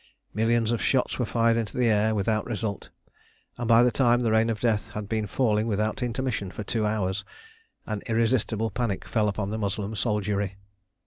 Millions of shots were fired into the air without result, and by the time the rain of death had been falling without intermission for two hours, an irresistible panic fell upon the Moslem soldiery.